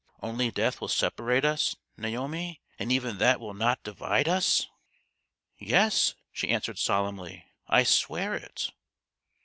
" Only death will separate us, Naomi, and even that will not divide us ?"" Yes/' she answered solemnly ;" I swear it."